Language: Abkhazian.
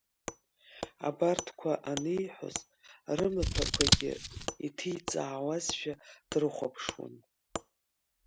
Абарҭқәа аниҳәоз рымаҭәақәагьы иҭиҵаауазшәа дрыхәаԥушан.